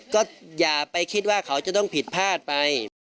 ก็อย่าไปคิดว่าเขาจะต้องผิดพลาดไป